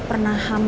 ini pusing dari awal